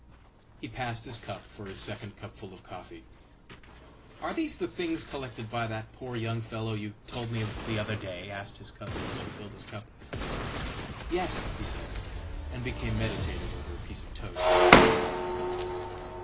"He passed his cup for his second cupful of coffee."Are these the things collected by that poor young fellow you told me ofthe other day?" asked his cousin, as she filled his cup."Yes," he said, and became meditative over a piece of toast."